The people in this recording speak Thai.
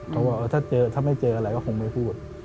ก็ว่าถ้าไม่เจออะไรก็คงไม่พูด